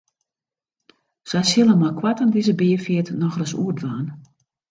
Sy sille meikoarten dizze beafeart nochris oerdwaan.